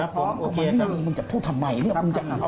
ผมไม่มีมันจะพูดทำไมมันจะเอาไปอยู่